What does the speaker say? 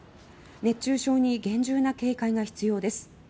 熱中症に厳重な警戒が必要です。